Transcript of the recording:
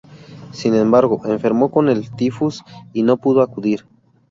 Sin embargo, enfermó con el tifus y no pudo acudir.